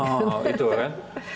oh itu kan